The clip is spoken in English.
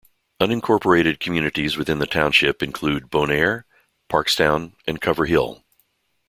Unincorporated communities within the township include Bon Air, Parkstown, and Cover Hill.